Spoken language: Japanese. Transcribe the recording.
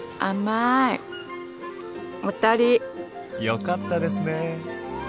よかったですね。